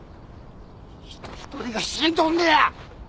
人一人が死んどんのや！